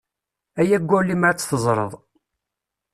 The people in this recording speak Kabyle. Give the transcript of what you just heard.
Ay aggur lemmer ad tt-teẓṛeḍ.